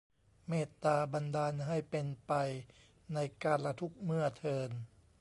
เมตตาบันดาลให้เป็นไป ในกาลทุกเมื่อเทอญ